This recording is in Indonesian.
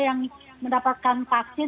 yang mendapatkan vaksin